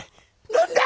飲んだ！」。